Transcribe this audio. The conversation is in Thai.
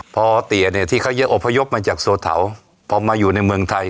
พอเตี๋ยเนี่ยที่เขาเยอะอพยพมาจากโซเถาพอมาอยู่ในเมืองไทย